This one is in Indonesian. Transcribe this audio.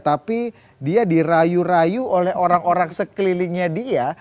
tapi dia dirayu rayu oleh orang orang sekelilingnya dia